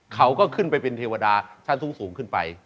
เขาก็ขึ้นไปเป็นเทวดาชั้นสูงขึ้นไป